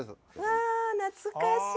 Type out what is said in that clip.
わ懐かしい！